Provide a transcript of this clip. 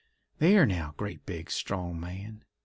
"There now, great, big, strong man!